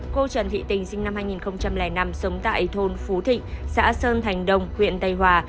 cô trần thị tình sinh năm hai nghìn năm sống tại thôn phú thịnh xã sơn thành đông huyện tây hòa